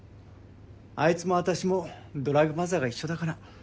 あいつも私もドラァグマザーが一緒だから。